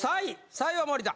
３位は森田！